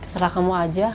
sera kamu aja